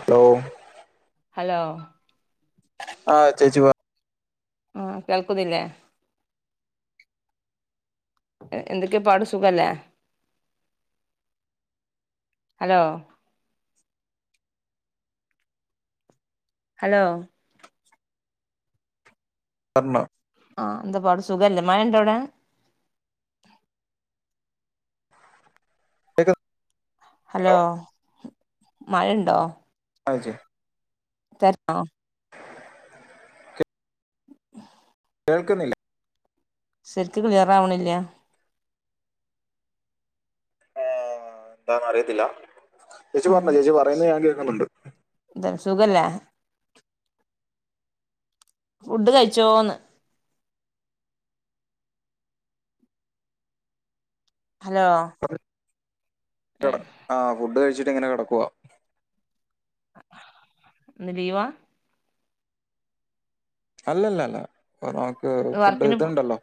Hello hello ആ ചേച്ചി വാ ഉം കേൾക്കുന്നില്ലേ എന്തൊക്കെയ പാട് സുഖല്ലേ ഹലോ ഹലോ പർണോ ആഹ് എന്താ പാട് സുഖല്ലേ മഴയുണ്ടോ അവിടെ കേക്ക് ഹലോ മഴയുണ്ടോ അജയ് തര്ണോ കേ- കേൾക്കുന്നില്ല ശരിക്ക് ക്ലിയർ ആവണില്ല അത് എന്താന്ന് അറിയത്തില്ല ചേച്ചി പറഞ്ഞോ ആഹ് ചേച്ചി പറയുന്ന ഞാൻ കേക്കുന്നുണ്ട് എന്താ സുഖല്ലേ ഫുഡ് കഴിച്ചോന്ന് ഹലോ എടാ ഏഹ് ആ ഫുഡ് കഴിച്ച് ഇങ്ങനെ കിടക്കുവാ ഇന്ന് ലീവാ അല്ലല്ലല്ല അപ്പ നമുക്ക് ഇന്ന് ഫുഡ് വർക്കിന് പോ ഇത്ണ്ടല്ലോ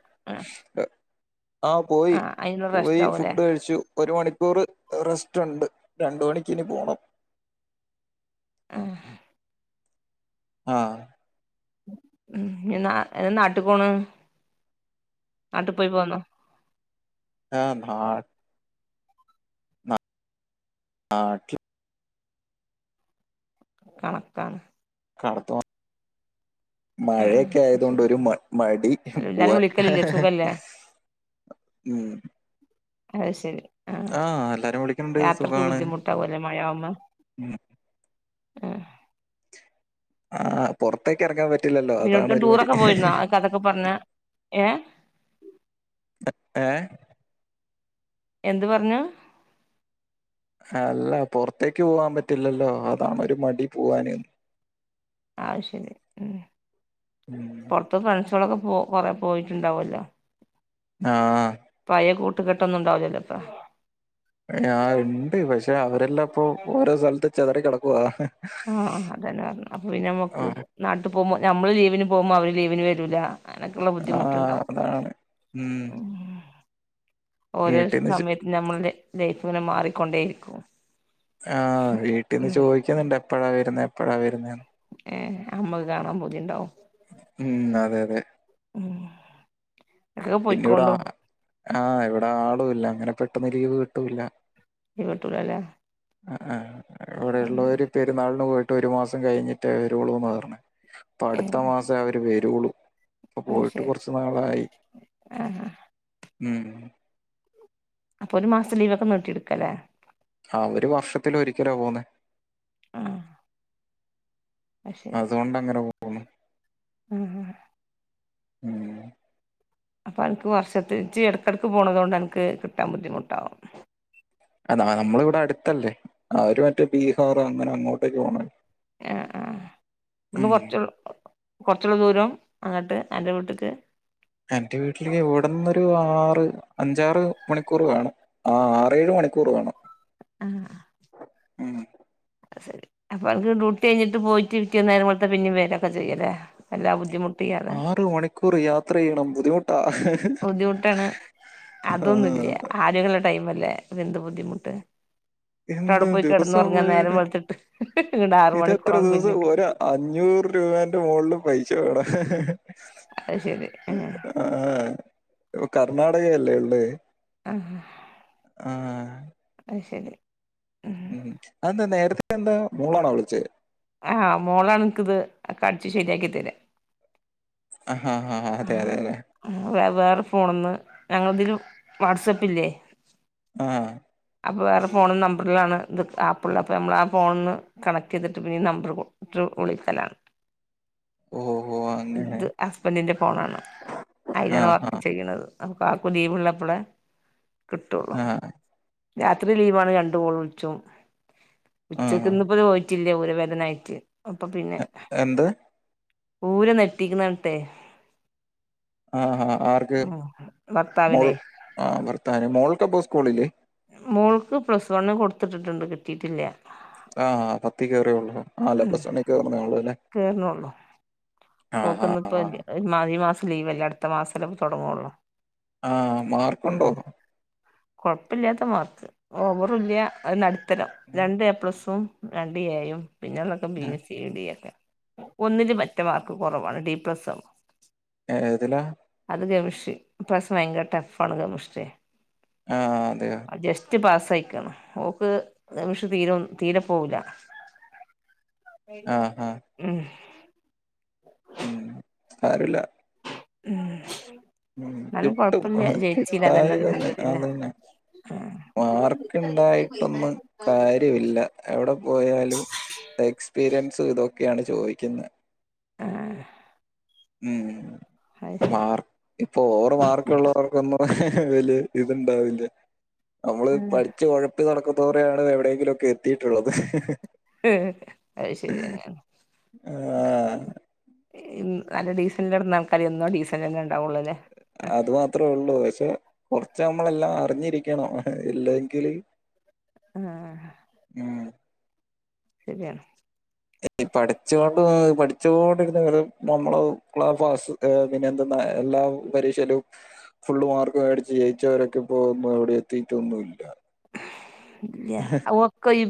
ആഹ് പോയി അയിനുള്ള പോയി റെസ്റ്റ് ആവൂല്ലേ ഫുഡ് കഴിച്ചു ഒര് മണി ക്കൂറ് റെസ്റ്റ്ണ്ട് രണ്ട് മണിക്കിനി പോണം ആഹ് ആഹ് നാ നാട്ട് പോണ് നാട്ട് പോയി പോന്നോ ആഹ് നാ നട്ട്ൽ കണക്കാണ് ക [unintelligible] മഴക്കെ ആഹ് ആയതോണ്ട് ശരി ഒര് മ മടി എല്ലാരും പൂവാൻ വിളിക്കലില്ലേ സുഖല്ലേ മ് അത് ശെരി ആഹ് എല്ലാരും വിളിക്ക്ണ് ണ്ട് സുഖാണ് ബുദ്ധിമുട്ടാവുല്ലേ മഴയാവുമ്പോ മ് ആ ആഹ് പൊറത്തേക്കെറങ്ങാൻ പ പിന്നെ എട്ക്കേലും ടൂറൊക്കെ പോയിര്ന്നോ അതൊക്കെ പറഞ്ഞ ഏ ഏ എന്ത് പറഞ്ഞു അല്ല പൊറത്തേക്ക് പോവാൻ പറ്റില്ലല്ലോ അതാണൊര് മടി പോവാന് ആ ശരി മ് ഉം. പൊറത്ത മ കുച്ചളൊക്കെ പോ കൊറെ പോയിട്ടുണ്ടാവോലോ ആഹ് ട്ട് കെട്ടൊന്നും ഉണ്ടാവൂലല്ലോപ്പൊ ഞ ണ്ട് പക്ഷെ അവരെല്ലാപ്പൊ ഓരോ സെലത്ത് ചെതറി കെട ക്കുവാ ആഹ് അതന്നെ പറഞ്ഞേ അപ്പ ആ പിന്നമ്മക്ക് നാട്ടിപ്പോവുമ്പോ നമ്മള് ലീവ് ലീവിന് പോവുമ്പോ അവര് ലീവിന് വെരൂല്ല ആഹ് അതാണ് മ് ഉം ഓരോ സമയത്ത് ഞമ്മൾടെ ലൈഫ്ങ്ങനെ മാറിക്കൊണ്ടേയിരിക്കും. ആഹ് വീട്ടിന്ന് ഉം ചോയിക്ക്ന്ന്ണ്ട് എപ്പഴാ വെര്ന്നേ എപ്പഴാ വെര്ന്നേ ഏ അമ്മക്ക് കാണാൻ പൂതിണ്ടാവും മ് അതെ അതെ ഉം ഇടക്കൊക്കെ പിന്നെ ഇവടെ പോയിക്കോണ്ടു ആ ആഹ് ഇവിടെ ആളൂല്ല അങ്ങനെ പെ ട്ടന്ന് ലീവ് കിട്ടൂല്ല ലീവ്ട്ടൂലല്ലെ ആ ആ അവിടെ ഉള്ളവര് പെരുന്നാളിന് പോയിട്ട് കേട്ട് ഒരു മാസം കഴിഞ്ഞിട്ട് വരുളൂന്ന് പറഞ്ഞത് അപ്പ അടുത്ത ഏഹ് മാസം അവര് വ ജോളു അപ്പൊ പോയിട്ട് കുറച്ചു നാളായി ആഹ ആ ഉം അപ്പൊ ഒരു മാസത്തെ ലീവൊക്കെ നിട്ടി എടുക്കല്ലേ ആ ഒരു വർഷത്തി ഒരിക്കലാ പോന്നേ ആ അതുകൊണ്ട് അങ്ങനെ പോണു ഉഹ ഹ ഉം അപ്പൾ അനക്ക് വർഷത്തിൽ ഇച്ച് ഇടക്കിടക്ക് പോകണത് കൊണ്ട് അനക്ക് കിട്ടാൻ ബുദ്ധിമുട്ടാകും അതാ നമ്മള ഇവിടെ അടുത്തല്ലേ അവര് മറ്റേ ബീഹാറോ അങ്ങനെ അങ്ങോട്ടേക്ക പോണെ ആ ആ ഇന്ന് കുറച്ചോ ഉള്ളോ കുറച്ചു ഉള്ളും ദൂരം അങ്ങട്ട് അന്റെ വീട്ടക്ക് എന്റെ വീട്ടില് ഇവിടന്നൊരു ആറ് അഞ്ചാറ് മണിക്കൂർ വേണം ആ ആറേഏഴ് മണിക്കൂർ വേണം ആഹ് ഉം ശരി അപ്പൊ അനക്ക് ഡ്യൂട്ടി കഴിഞ്ഞിട്ട് പോയിട്ട് പെറ്റെന്ന് നേരം വെളുത്താൽ പിന്നും വേരൊക്കെ ചെയ്യല്ലേ എല്ലാ ബുദ്ധിുട്ടും ആറ് മണിക്കൂർ യാത്രയിനം ബദ്ധിമുട്ട് ബുദ്ധിമുട്ടാണ് ആ അതൊന്നുമില്ല ആളുകളുടെ ടൈമ അല്ലേ എന്ത് ബുദ്ധിമുട്ട് ട്ട് എന്ത അവിടെ പോയി ദിവസം കിടന്നുറങ്ങാ നേരം പോയല് വെളുത്തിട്ട് ഇങ്ങട് ആറ് ഇതെത്ര മണിക്കൂറാവും ദിവസം പിന്നിം ഒരു അഞ്ഞൂറ് രൂപന്റെ മുകളിൽ പൈ ചട അത് ശെരി ങ്ങേ ഇ കർണാടകയല്ലേ ഉള്ളേ ആഹാ ആ അ ശരി ഉം അത് എന്താ നേരത്തെ എന്താ മോളാണോ വിളിച്ചെ ആഹ് മോളാണ് എനിക്ക് ഇത് അടിച്ചു ശരിയാക്കി തരാം ആഹ് ആഹ് ആഹ് അതെ അതെ അതെ വേ വേറെ ഫോണ്ന്ന് ഞങ്ങള ഇതില് വാട്സആപ്പ് ഇല്ലേ ആഹ അപ്പോൾ വേറെ ഫോണ നമ്പറിലാണ് ഇത് ആപ്പുള്ള അപ്പോൾ നഞമ്മൾ ആ ഫോണിൽന്ന് കണക്ട് ചെയ്തിട്ട് പിന്നെ നമ്പർട്ട് വിളിക്കലാണ് ഓഹ് ഓഹ് അങ്ങനെ ഇത് അസ്ബന്റെ ആണോ അയ്ലാണ് ആഹ് ആഹ് ഒർപ്പിച്ചേക്കുന്നത് അപ്പൊ കാക്കുലീവുള്ളപ്പളെ കിട്ടൊള്ളൂ ആഹ് രാത്രി ലീവാണ് രണ്ടു കാൾ വിൾച്ചും ഉച്ചക്ക് ആഹ് ഇന്ന്പ്പത് [unintelligible] ഇല്ല ഊരവേദനായിട്ട് അപ്പൊ പിന്നെ എന്ത് ഊരെ നെട്ടിക്കുന്നണട്ടെ ആഹ് ആർക്ക് മോൾ ഭർത്താവിനെ ആ ഭർത്താവിന് മോൾക്ക് അപ്പം സ്കൂൾ കൂളില് മോൾക്ക് പ്ലസ് വണ്ണു കൊടുത്തിട്ടിട്ടുണ്ട് കിട്ടിയിട്ടില്ല ആഹ് പത്തി കയറേ ഉള്ളൂ ഉം അല്ലേ കേർണൊള്ളു ആഹ് ആഹ് പ്പോക്കുന്നിപ്പം ആഹ് [unintelligible] ഈ മാസ ലീവ് അല്ലേ അടുത്ത മാസല്ലെപ്പൊ തൊടങ്ങൊള്ളൂ ആ മാർക്കുണ്ടോ കൊഴപ്പില്ലാത്ത മാർക്ക്‌ ഓവറൂല്ല അത് നട് ത്തരം ഉം. രണ്ട് എ പ്ലസും രണ്ട് ഏ യും പിന്നെളെളാക്കെ ബീ യും സി യും ഡി യൊക്കെ ഒന്നില് പറ്റെ മാർക്ക് കൊറവാണ് ഡിപ്ലസ്സാ ഏതിലാ? അത് കെമിഷി ഇപ്രാവസ്യം വയങ്കര ടെഫ് ആണ് കെമിഷ്ട്രി ആഹ് അതെയോ പ്പായ്ക്ക്ണ് ഓക്ക് കെമിഷി തീരെ ഒ തീരെപ്പോവൂല. ആഹ് ആഹ് ഉം ഉം സാരുല്ല. ഉം ഉം എന്നാലും കിട്ടും കൊഴപ്പില്ല ഹാ ജയിച്ചീല അതന്നെ കിട്ടായ്ക ഒന്ന് അൽഹംദുലില്ലാഹ് അതന്നെ മാർക്ക് ഇണ്ടായിട്ടൊന്നും കാര്യവില്ല എവടെ പോയാലും എക്സ്പീരിയൻസും ഇതൊക്കെയാണ് ചോദി ക്കിന്ന് ആഹ് ഉം മാർക്ക് ഇപ്പൊ ഓവറ് മാർക്ക്ള്ളോർക്കൊന്നും. ഏ വല് ഇത്ണ്ടാവില്ല്യ. നമ്മള് ആഹ് പഠിച്ച് ഒഴപ്പി നടക്കു എന്തോറയാണ് എവിടെയെങ്കിലും ഒക്കെ എത്തിയിട്ടുള്ളത് അത് ശരിയന്നെയാണ് ആഹ് നല്ല ഡീസെന്ററിൽ കിടന്ന ആൾക്കാർ ഒ എന്നും ഡീസന്റ് തന്നെ ഉണ്ടാവുകുള്ളൂ അല്ലേ അതു മാത്രേ ഉള്ളൂ പക്ഷെ കുറച്ച് നമ്മളെല്ലാം അറിഞ്ഞിരിക്കണം ഇല്ലെങ്കില് ആ ആ ഉം ശരിയാണ് പഠിച്ചൊണ്ട് പഠിച്ചൊണ്ടിരുന്നവര് നമ്മള പാസ് പിന്നെ എന്തെന്നാ എല്ലാ പരീക്ഷയിലും ഫുള്ള് മാർക്ക് മേടിച്ച് ജയിച്ചവരൊക്കെ ഇപ്പോ ഒന്നും എവിടെ എത്തിട്ടൊന്നും ഇല്ല ല്യ അ ഓകൊയ്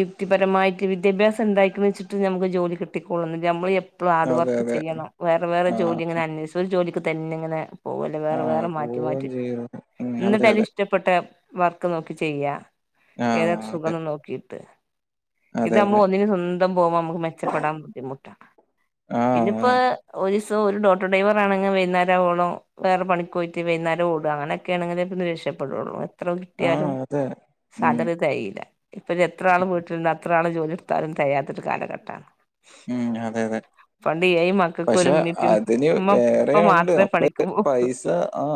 [unintelligible] പരമായിക്ക്‌ വിദ്യാഭ്യസംണ്ടായ്ക്ണ്ച്ചിട്ട് നമുക്ക് ജോലി കിട്ടിക്കോൾണംന്നില്ല മ്മളീ പ്പൊ ഹാർഡ് അതെ വർക്ക് അതെ ചെയ്യണം. വേറെ വേറെ ആഹ് ജോലിങ്ങനെ അന്വേഷി ഒരു ജോലിക്ക് തന്നെ ങ്ങനെ പോവലേ വേറെ ആഹ് വേറെ മാറ്റി പോവുകയും മാറ്റി ചെയ്യും ഉം അതെ ന്നിട്ടാലും അതെ ഇഷ്ടപ്പെട്ട വർക്ക് നോക്കി ചെയ്യ ഏത ആഹ് അതെ സുഖം നോക്കിയിട്ട് ഇത് അതെ അമ്മു അതെ ഒന്നിന് സ്വന്തം പോവോ മുക്ക് മെച്ചപ്പെടാൻ ബുദ്ധിമുട്ടാണ്. ആഹ് പിന്നിപ്പോ ആഹ് ഒരുസ് സൊ ഒരു ടോട്ടോഡ്രൈവർ ആണെങ്കി വൈകുന്നേരാവോണോ വേറെ പണിക്ക് പോയി്റ്റ് വൈന്നേര ഓട അങ്ങനൊക്കെണെങ്കില് പ്പന്ന് രക്ഷപ്പെടോള്ളു ത്ര ഉര്ട്ട്യാലും ആഹ് അതെ ഉം സാധനം തെയില്ല ഇപ്പൊരു എത്ര ആള് വീട്ടി ണ്ടൊ അത്ര ആള് ജോലി എട്ത്താലുംതയാത്തൊരു കാലഘട്ടാണ് ഉം അതെതെ. പണ്ട് ഏഴ് മക്കക്ക് ഒരു പക്ഷെ ഉമ്മീം ഉപ്പീം അതിന് ഉമ്മ വേറെ ഉപ്പ ണ്ട് മാത്രേ പണിക്ക് അപ്പതെ പോവുള്ളൂ പൈസ ആ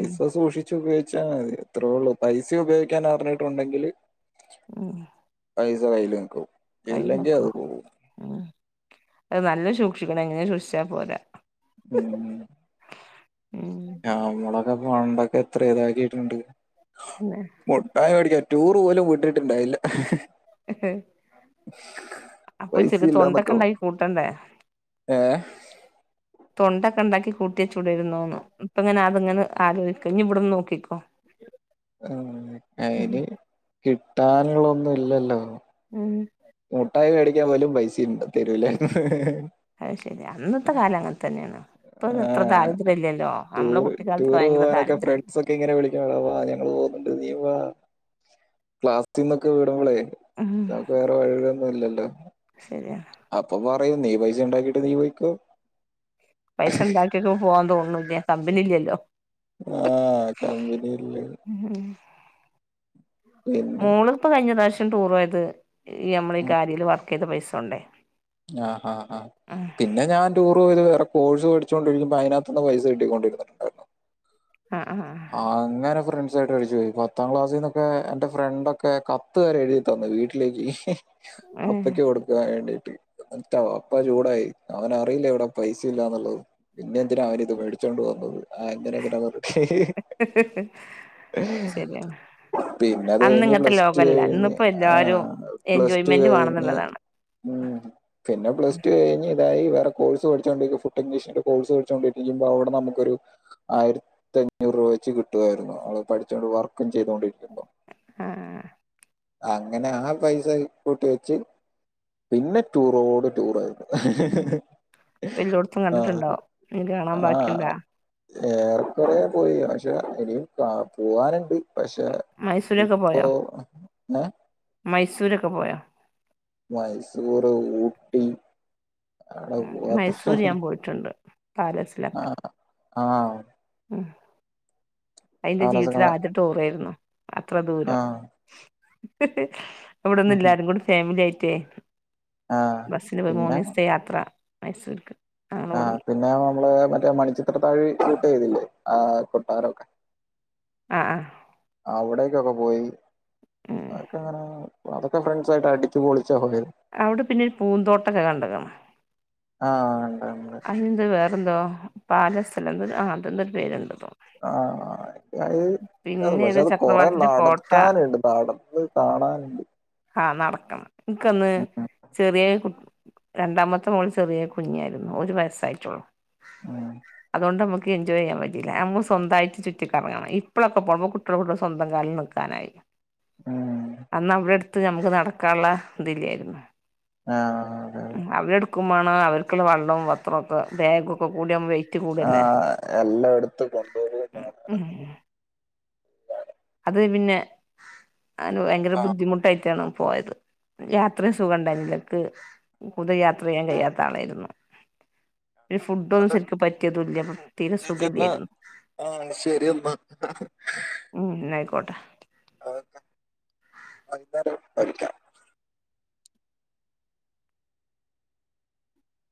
ഉം സൂക്ഷിച്ചു പയോഇച്ചാമതി ത്രേള്ളൂ പൈസ യുപയോയിക്കാൻ അർഞ്ഞിട്ടുണ്ടെങ്കില് ഉം പൈസ കയ്യില് നിക്കൂ ഇല്ലെങ്കി അത് പോഉ അഹ് നല്ല സൂക്ഷിക്കണം എങ്ങനെ സൂക്ഷിച്ചാ പോരാ ഉം ഉം ആഹ് നമ്മളൊക്കെ വണ്ടൊക്കെ എത്ര ഇതാക്കിട്ടുണ്ട്. തന്നെ മോട്ടായി വെടിക്കാൻ. ടൂറ് പോലും വിട്ടിട്ടുണ്ടായില്ല. ഹ [unintelligible] അപ്പൊ പൈസ ചെറിയ തൊണ്ടൊക്കെ ഇല്ലന്നൊക്കെ ഉണ്ടായി കൂട്ടണ്ടേ ഏ തൊണ്ടൊക്കെ ഉണ്ടാക്കി കൂട്ടി ചുടരുന്നോന്ന് ഇപ്പ ഇങ്ങനെ അതിങ്ങനെ ആലോചിക്കോ ഇനി ഇവിടന്ന് നോക്കിക്കോ. ആ ഉം അയിന് കിട്ടാനുള്ളൊന്നും ഇല്ലല്ലോ ആ ഉം മുട്ടായി മേടിക്കാൻ പോലും പൈസുണ്ട് തരൂല അത് ശരി അന്നത്തെ കാലം അങ്ങനെ തന്നെയാണ് ഇപ്പൊ ഇത് ആ എത്ര ദാരിദ്ര്യം ഇല്ലല്ലോ നമ്മളെ ടൂർ കുട്ടിക്കാലത്ത് ടൂർ ഭയങ്കര പോവാനൊക്കെ ദാരിദ്ര്യംമല്ല ഫ്രണ്ട്സ് ഒക്കെ ഇങ്ങനെ വിളിക്കും എടാ ക്ലാസ്സിൽന്നൊക്കെ വീടുമ്പോളേ ഉഹ ഴൊന്നുംല്ലല്ലോ ശരിയാണ് പറയ നീ പൈസ ഉണ്ടാക്കിട്ട് നീ പോോയ്ക്കോ പൈസ ഉണ്ടാക്കക്ക പോവാൻന്തോന്ന തമ്പിനില്ലല്ലോ ആഹ് കമ്പനില്ലേ മൂളിപ്പ് കഴിഞ്ഞ ദശം ടൂറ ആയത് ഈ നമ്മൾ ഈ കാര്യൽ വത്ത ഏത് പൈസ ഉണ്ടേ ആഹ ആഹ ആ പിന്നെ ഞാൻ ടൂറ് പോത്റെ കോ്പോഴ്സ് പഠിച്ചൊണ്ടിരിക്ക്പ അതിനകത്ത്ുന്ന് പൈസ കിട്ടിക്കൊണ്ടിരിട്ടുണ്ടായിരുന്നു ഉ ആ അങ്ങനെ ഫ്രണ്ട്സ ആായിട്ട് കഴിച്ചു പോയി പത്താം ക്ലാസ്സിൽ നിന്നൊക്കെ എന്റെ ഫ്രണ്ടൊക്കെ കത്ത്ുകരെ എഴുതി തന്നു വീട്ടിലേക്ക് ഉം അപ്പക്ക് കൊടുക്കുൻ വേണ്ടി മറ്റ അപ്പ ചൂടായി അവനറിയില്ല എവിടെ പൈസ ഇല്ലാന്നുള്ളത് പിന്നെ എന്തിനാ അവന ഇത് മേടിച്ചോണ്ട് വന്നത് ആഹ്തിനൊക്കട്ട ശരിയാണ് പിന്നെ അത് അന്ന് കഴിഞ്ഞ് ഇങ്ങനത്തെ പ്ലസ് ടു ലോകല്ല കഴിഞ്ഞ് ഇന്നിപ്പോ ആ എല്ലാരും പ്ലസ് ടു എൻജോയ്മെന്റ് കഴിഞ്ഞ് വേണെന്നുള്ളതാണ് ഉ പിന്നെ പ്ല ടു കഴിഞ്ഞ് ഇതായി വേറെ കോഴ്സ് പഠിച്ചുകോണ്ടിരിക്ക ഫുഡ് ഇീ കോഴ്സ് കിച്ചുകോണ്ടിരിക്കുമ്പോ അവിടെ നമുൊരു ആയിരത്തി അഞ്ഞൂറ് രൂപ വെച്ച് കിട്ടുായിരുന്നു അവള് പഠിച്ചുകൊണ്ട് വർക്ക ചെയ്തൊണ്ടിരിക്ക ആഹ് അങ്ങനെ ആ പൈസ കൂട്ടി വെച്ച് പിന്നെ ടൂറോട് ടൂറയിരുന്നു. വല്ലടത്തും കണ്ടിട്ടുണ്ടോ? ആഹ് ഇനി കാണാൻ ബാക്കിണ്ടാ? ഏറെക്കറെ. പോയി പക്ഷെ ഇനിയും കാ പോവാനുണ്ട്. പക്ഷെ മൈസൂരൊക്കെ ഇപ്പോ പോയോ മൈസൂരൊക്കെ പോയോ? മൈസൂർ ഊട്ടി. അവിടെ ഉ പോവാത്ത മൈസൂര് ഞാൻ പോയിട്ടുണ്ട്. കാലസിലക്ക ആഹ ഉം അതിന്റെ ആലോചന ജീവിതത്തിൽ ആദ്യട്ട ഓറായിരുന്നു. അത്ര ആ ദൂരം. [unintelligible] അവിട ഒന്ന എല്ലാരും കൂടെ ഫാമിയ [unintelligible] ആഹ് ബസിന് പോയി. മൂന്ന് ദിവസത്തെ യാത്ര. മൈസൂർക്ക്. ഞങ്ങളെ ആ ഇവിടുന്ന് പിന്നെ നമ്മള് മറ്റ മണിച്ചിത്ര താഴി ഷൂട്ട് ചെയ്തില്ലേ ആ കൊട്ടാരൊക്കെ ആ ആ അവിടേക്കൊക്കെ പോയി. ഉം ആർക്കങ്ങനെ അതൊക്കെ്രണ്ട്സായിട്ട് അടിച്ച് പളിച്ചാ [unintelligible] അവിടെ പിന്നെ ഒരു പൂന്തോട്ടൊക്കെ കണ്ടക്ണ്. ആഹ അതിന്ത വേറെ എന്തോ പാല സ്ഥലം എന്ത ആ അതെന്തരു പേരുണ്ടോ? ആഹ പിന്നെ പക്ഷെ ഏതോ അത് കൊറ ചക്രവാത്തിന്റെ കോട്ട നടക്കാനുണ്ട്. നടാൻ ത് കാണാനുണ്ട്. ആ നടക്കണം. ഇിക്കന്ന് ഉം ചെറിയ കു രണ്ടാമത്തെ മോൾ ചെറിയ കുഞ്ഞിയായിരുന്നു. ഒരു വയസ്സായിട്ടോള്ളൂ. ആഹ അതണ്ട് നമുക്ക് എൻജോയ് ചെയ്യാൻ പറ്റില്ല നമ്മ സ്വന്തമായിട്ട് ചുറ്റിിക്കറങ്ങണം ഇപ്പോഴൊക്കെ പോക്പോൾ കുട്ടിക കൂട്ട സ്വന്തം കാലിൽ നിൽക്കാനായി ഉം അാ അവിടെ എടുത്ത് ത്ത് നമുക്ക് നടക്കാനുള്ള ഇതില്ലായിരുന്നു ആഹ ആ അതെ അതെ വക്ക്പേ അവർക്കുള്ള വെള്ളം പത്രംൊക്കെ ബാഗൊക്കെ കൂടാകുമോ വും ആഹ എല്ലായിടത്തും കൊണ്ടപോവാണ് ഉം അ ഭയങ്കര ബുദ്ധിമു് പോയത് യാത്ര സുഖോണ്ടായിരുന്നി ല്ല പൂ കൂടുതൽ യാത്ര ചെയ്യാൻ കഴിയാത്ത ആളായിരുന്നു ഒരു ഫുഡൊന്നും ആഹ് സെറ്റപ്പാ ക്കിയതുമില്ല അപ്പൊ തീരെ ചേച്ചി എന്നാ സഖേല്യായിരുന്നു ആഹ് ശരി എന്നാ ഉ ആയിക്കോട്ടെ അ അന്നാലംിക്ക [unintelligible]